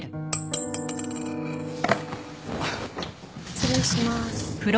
・失礼します。